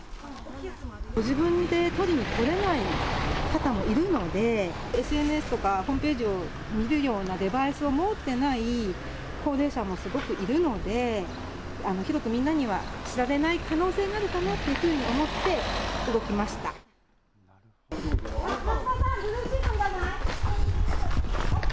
自分で取りに来れない方もいるので、ＳＮＳとかホームページを見るようなデバイスを持ってない高齢者もすごくいるので、広くみんなには知られない可能性があるのかなブルーシートいらない？